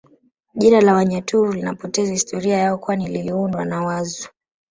Jina la Wanyaturu linapoteza historia yao kwani liliundwa na Wazu